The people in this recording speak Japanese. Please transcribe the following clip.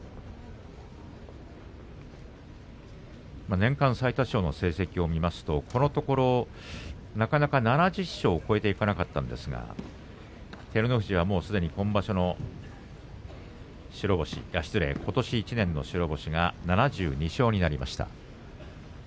年間最多勝の成績を見るとこのところ、なかなか７０勝を超えていかなかったんですが照ノ富士は今場所すでにことし１年の白星が７２勝になりました。